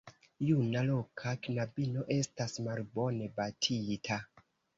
Juna loka knabino estas malbone batita.